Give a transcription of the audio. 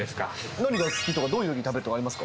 何が好きとかどういうふうに食べるとかありますか？